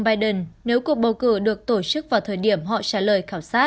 biden nếu cuộc bầu cử được tổ chức vào thời điểm họ trả lời khảo sát